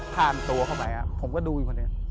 ผ่านตัวเข้าไปผมก็ดูอยู่คนเดียว